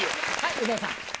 有働さん。